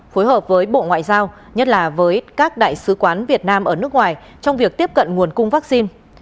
phối hợp với bộ ngoại giao nhất là với các đại sứ quán việt nam ở nước ngoài trong việc tiếp cận nguồn cung vaccine